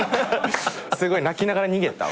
すごい泣きながら逃げた。